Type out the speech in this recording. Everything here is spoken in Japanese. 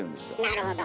なるほど。